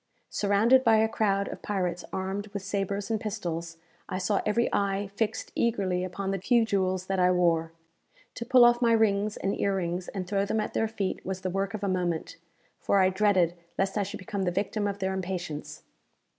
Surrounded by a crowd of pirates armed with sabres and pistols, I saw every eye fixed eagerly upon the few jewels that I wore. To pull off my rings and ear rings, and throw them at their feet, was the work of a moment, for I dreaded lest I should become the victim of their impatience.